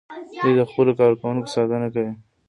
دوی د خپلو کارکوونکو ساتنه کوي.